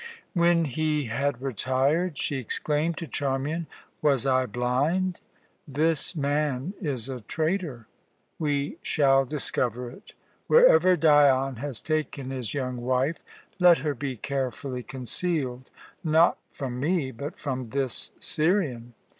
When he had retired, she exclaimed to Charmian: "Was I blind? This man is a traitor! We shall discover it. Wherever Dion has taken his young wife, let her be carefully concealed, not from me, but from this Syrian.